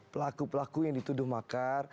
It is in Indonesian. pelaku pelaku yang dituduh makar